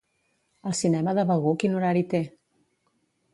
El cinema de Begur quin horari té?